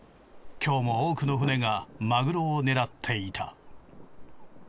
今日も多くの船がマグロを狙っていた。